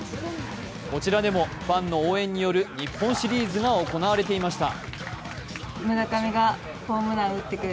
こちらでもファンの応援による日本シリーズが行われていました。